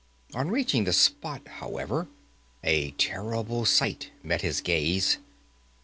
On reaching the spot, however, a terrible sight met his gaze.